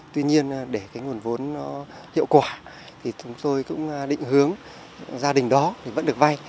tuy nhiên để nguồn vốn hiệu quả thì chúng tôi cũng định hướng gia đình đó vẫn được vay